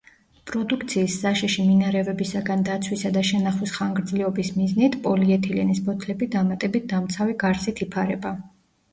პროდუქციის საშიში მინარევებისაგან დაცვისა და შენახვის ხანგრძლივობის მიზნით პოლიეთილენის ბოთლები დამატებით დამცავი გარსით იფარება.